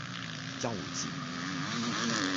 幼稚!